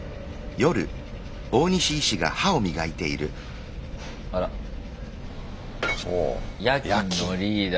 夜勤のリーダー。